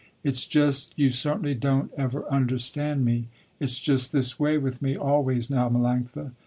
It's just, you certainly don't ever understand me. It's just this way with me always now Melanctha.